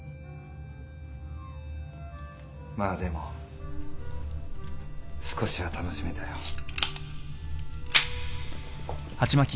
まあでも少しは楽しめたよ。